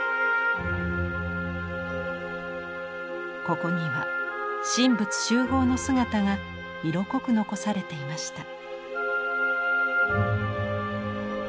ここには神仏習合の姿が色濃く残されていました。